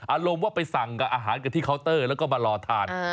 อารมณ์ว่าไปสั่งกับอาหารกันที่เคาน์เตอร์แล้วก็มารอทาน